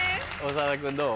長田君どう？